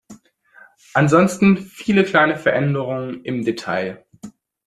Ansonsten viele kleine Veränderungen im Detail.